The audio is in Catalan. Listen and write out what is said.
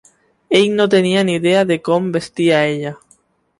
Ell no tenia ni idea de com vestia ella.